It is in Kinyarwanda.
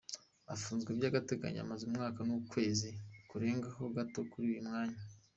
Afunzwe by’agateganyo amaze umwaka n’ukwezi kurengaho gato kuri uyu mwanya.